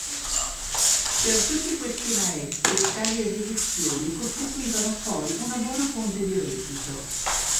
Per tutti questi maestri tali esibizioni costituivano poi una buona fonte di reddito.